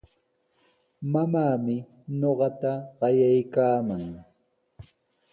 Mamaami ñuqata qayaykaaman.